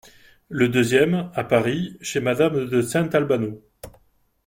Le deuxième, à Paris, chez madame de Saint-Albano.